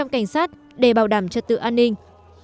năm bốn trăm linh cảnh sát để bảo đảm cho tựa an ninh